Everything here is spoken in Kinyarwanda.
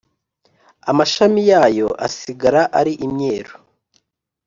amashami yayo asigara ari imyeru!